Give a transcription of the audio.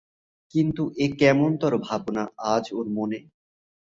কিন্তু এ কেমনতরো ভাবনা আজ ওর মনে!